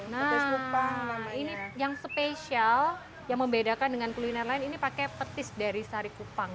nah ini yang spesial yang membedakan dengan kuliner lain ini pakai petis dari sari kupang